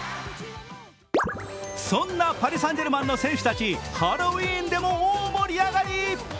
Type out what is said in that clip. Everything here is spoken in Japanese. そんなパリ・サン＝ジェルマンの選手たち、ハロウィーンでも大盛り上がり。